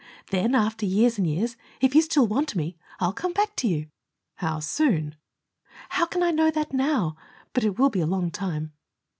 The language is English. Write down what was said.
Then, after years and years, if you still want me, I'll come back to you." "How soon?" "How can I know that now? But it will be a long time."